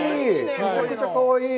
むちゃくちゃかわいい。